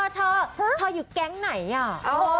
เธอเธออยู่แก๊งไหนอ่ะ